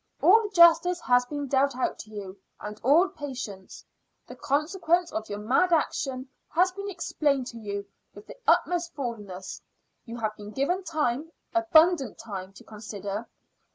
All justice has been dealt out to you, and all patience. The consequence of your mad action has been explained to you with the utmost fullness. You have been given time abundant time to consider.